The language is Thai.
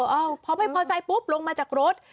เอ้าพอไม่พอใจปุ๊บลงมาจากรถ